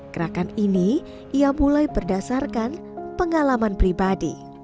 gerakan ini ia mulai berdasarkan pengalaman pribadi